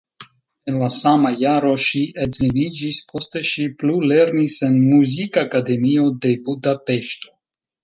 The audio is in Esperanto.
En la sama jaro ŝi edziniĝis, poste ŝi plulernis en Muzikakademio de Budapeŝto.